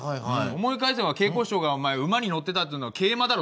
思い返せば桂子師匠が馬に乗ってたっていうのは「桂馬」だろ。